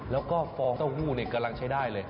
แล้วก็ฟองเต้าหู้นี่กำลังใช้ได้เลย